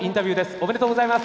おめでとうございます。